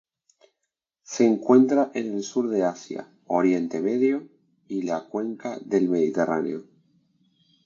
Se encuentra en el sur de Asia, Oriente Medio y la cuenca del Mediterráneo.